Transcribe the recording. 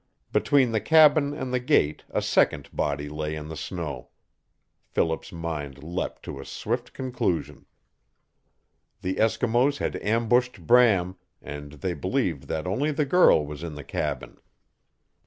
Between the cabin and the gate a second body lay in the snow. Philip's mind leapt to a swift conclusion. The Eskimos had ambushed Bram, and they believed that only the girl was in the cabin.